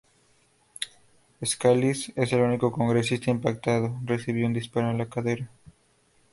Scalise, el único congresista impactado, recibió un disparo en la cadera.